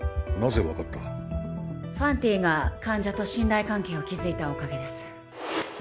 ファンティが患者と信頼関係を築いたおかげです。